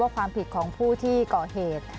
ความผิดของผู้ที่ก่อเหตุ